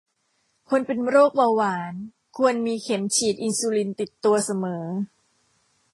คนเป็นโรคเบาหวานควรมีเข็มฉีดอินซูลินติดตัวเสมอ